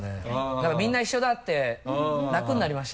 なんかみんな一緒だって楽になりました。